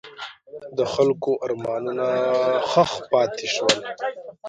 د خلکو ارمانونه ښخ پاتې شول.